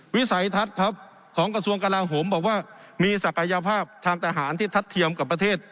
วิสัยทัศน์ครับของกระทรวงกลาโหมบอกว่ามีศักยภาพทางทหารที่ทัดเทียมกับประเทศ